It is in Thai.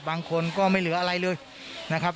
บางคนก็ไม่เหลืออะไรเลยนะครับ